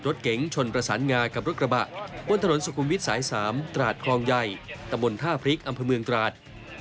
รถเก๋งชนประสานงากับรถกระบะบนถนนสุขุมวิทย์สาย๓ตราดคลองใหญ่ตะบนท่าพริกอำเภอเมืองตราด